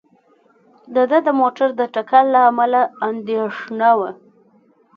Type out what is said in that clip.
د ده د موټر د ټکر له امله اندېښنه وه.